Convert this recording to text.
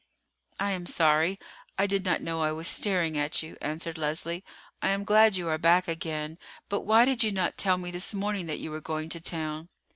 "I am sorry. I did not know I was staring at you," answered Leslie. "I am glad you are back again; but why did you not tell me this morning that you were going to town?"